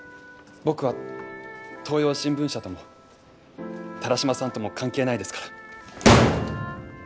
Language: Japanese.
僕は東洋新聞社とも田良島さんとも関係ないですから。